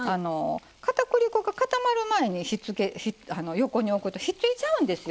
片栗粉が固まる前に横に置くと引っついちゃうんですよ。